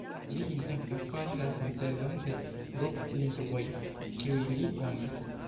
Li intencis fari la sintezon de dek lingvoj kiuj li konis.